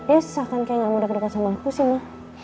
ya susah kan kayak gak mudah kedekat sama aku sih ma